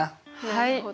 なるほど。